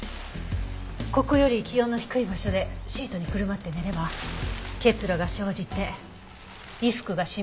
ここより気温の低い場所でシートにくるまって寝れば結露が生じて衣服が湿る可能性がある。